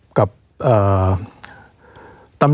สวัสดีครับ